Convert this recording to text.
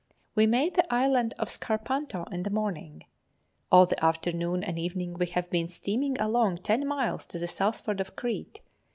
We made the Island of Scarpanto in the morning. All the afternoon and evening we have been steaming along ten miles to the southward of Crete.